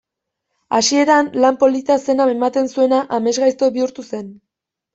Hasieran lan polita zena ematen zuena amesgaizto bihurtu zen.